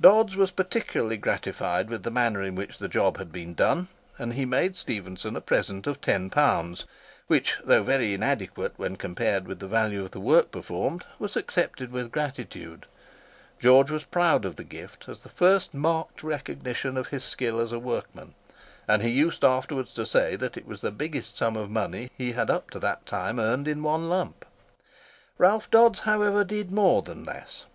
Dodds was particularly gratified with the manner in which the job had been done, and he made Stephenson a present of ten pounds, which, though very inadequate when compared with the value of the work performed, was accepted with gratitude. George was proud of the gift as the first marked recognition of his skill as a workman; and he used afterwards to say that it was the biggest sum of money he had up to that time earned in one lump. Ralph Dodds, however, did more than this.